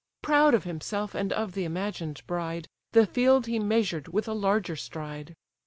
Proud of himself, and of the imagined bride, The field he measured with a larger stride.